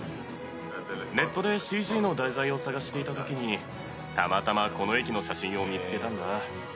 ネットでＣＧの題材を探していたときに、たまたまこの駅の写真を見つけたんだ。